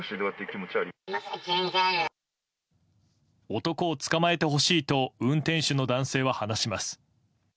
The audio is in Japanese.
男を捕まえてほしいと運転手の男性は話します。